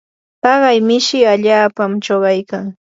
taqay mishi allaapam chuqaykan.